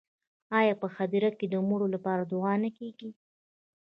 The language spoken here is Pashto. آیا په هدیره کې د مړو لپاره دعا نه کیږي؟